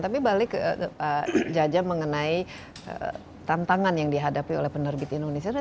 tapi balik ke jaja mengenai tantangan yang dihadapi oleh penerbit indonesia